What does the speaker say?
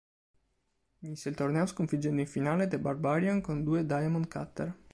Vinse il torneo sconfiggendo in finale The Barbarian con due "Diamond Cutter".